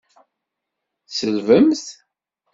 Tselbemt.